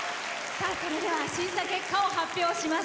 それでは審査結果を発表します。